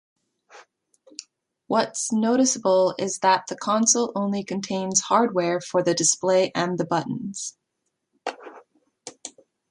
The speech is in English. What’s noticeable is that the console only contains hardware for the display and the buttons.